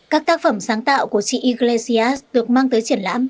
các tác phẩm sáng tạo của chị iglesias được mang tới triển lãm